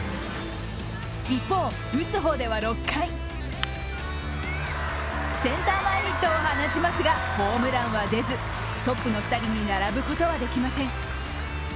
一方、打つ方では６回センター前ヒットを放ちますが、ホームランは出ずトップの２人に並ぶことはできません。